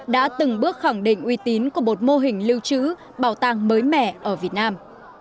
đã từng bước khẳng định uy tín của một mô hình lưu trữ bảo tàng mới mẻ ở việt nam